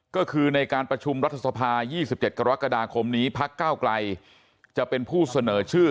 ก็คือในการประชุมรัฐสภา๒๗กรกฎาคมนี้พักเก้าไกลจะเป็นผู้เสนอชื่อ